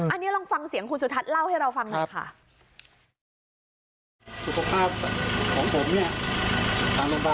อันนี้ลองฟังเสียงคุณสุทัศน์เล่าให้เราฟังหน่อยค่ะ